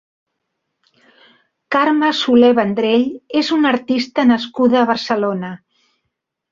Carme Solé Vendrell és una artista nascuda a Barcelona.